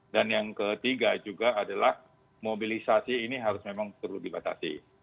dan yang ketiga juga adalah mobilisasi ini harus memang perlu dibatasi